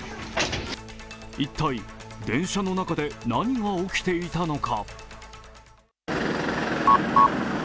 一体、電車の中で何が起きていたのか。